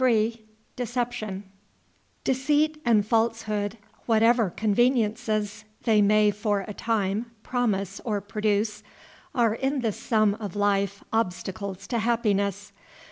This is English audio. ] Deceit and falsehood, whatever conveniences they may for a time promise or produce, are in the sum of life obstacles to happiness.